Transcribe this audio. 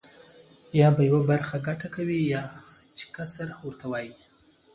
یا به یوه برخه کټ کوې چې قصر ورته وایي.